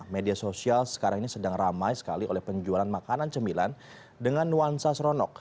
media sosial sekarang ini sedang ramai sekali oleh penjualan makanan cemilan dengan nuansa seronok